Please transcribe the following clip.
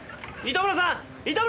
糸村さん！